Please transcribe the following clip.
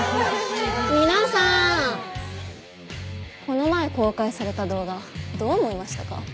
この前公開された動画どう思いましたか？